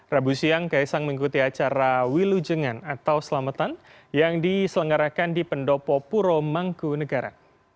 rabu siang kaisan mengikuti acara wilujengan atau selamatan yang diselenggarakan di pendopo puro mangkunegara